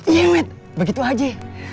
iya emet begitu aja